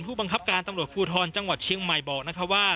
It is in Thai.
ผู้บังคับการตำรวจภูทรจังหวัดเชียงใหม่บอกนะคะว่า